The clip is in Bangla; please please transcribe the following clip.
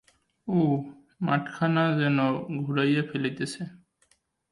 উঃ, মাঠখানা যেন ঘুরাইয়া ফেলিতেছে!